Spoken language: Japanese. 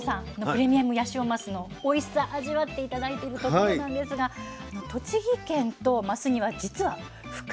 プレミアムヤシオマスのおいしさ味わって頂いてるところなんですが栃木県とマスには実は深いつながりがあるんですよ。